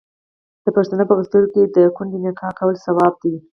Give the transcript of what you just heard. د پښتنو په کلتور کې د کونډې نکاح کول ثواب دی.